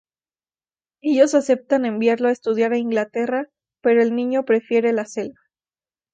Ellos aceptan enviarlo a estudiar a Inglaterra pero el niño prefiere la selva.